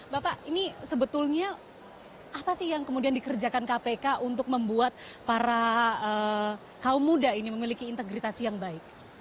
bapak ini sebetulnya apa sih yang kemudian dikerjakan kpk untuk membuat para kaum muda ini memiliki integritas yang baik